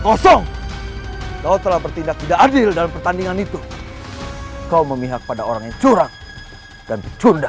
hai kau kosong kau telah bertindak tidak adil dalam pertandingan itu kau memihak pada orang yang curang dan cunda